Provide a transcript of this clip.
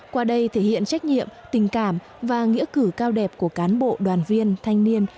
qua đây thể hiện trách nhiệm tình cảm và nghĩa cử cao đẹp của cán bộ đoàn viên thanh niên